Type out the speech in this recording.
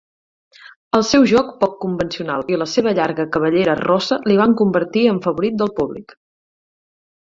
El seu joc poc convencional i la seva llarga cabellera rossa li van convertir en favorit del públic.